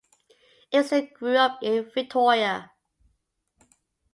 Erickson grew up in Victoria.